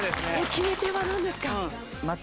決め手はなんですか？